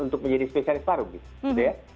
untuk menjadi spesialis paru gitu ya